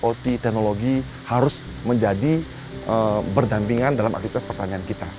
ot teknologi harus menjadi berdampingan dalam aktivitas pertanian kita